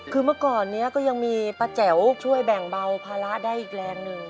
คือเมื่อก่อนนี้ก็ยังมีป้าแจ๋วช่วยแบ่งเบาภาระได้อีกแรงหนึ่ง